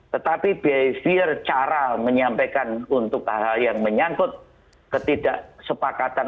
tetapi behavior cara menyampaikan untuk hal hal yang menyangkut ketidaksepakatan